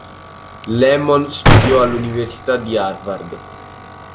Lemmon studiò all'Università di Harvard.